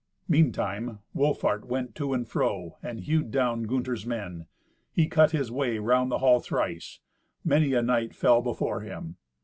Meantime, Wolfhart went to and fro, and hewed down Gunther's men. He cut his way round the hall thrice. Many a knight fell before him.